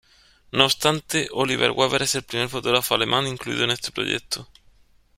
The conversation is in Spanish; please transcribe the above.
No obstante, Oliver Weber es el primer fotógrafo alemán incluido en este proyecto.